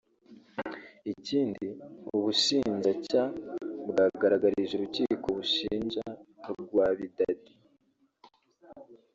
Ikindi ubushinjacya bwagaragarije urukiko bushinja Rwabidadi